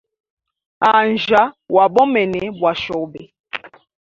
Anjya, wa bomene bwa shobe.